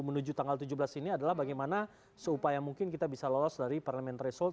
mungkin seminggu menuju tanggal tujuh belas ini adalah bagaimana seupaya mungkin kita bisa lolos dari parlemen threshold